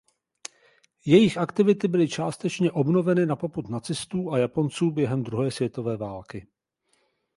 Jejich aktivity byly částečně obnoveny na popud nacistů a Japonců během druhé světové války.